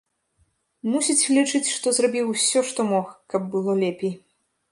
Мусіць, лічыць, што зрабіў усё, што мог, каб было лепей.